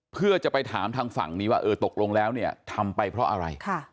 เพื่อจะไปถามทางฝั่งนี้ว่าเออตกลงแล้วเนี่ยทำไปเพราะอะไร